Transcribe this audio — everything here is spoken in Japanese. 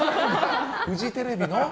フジテレビの？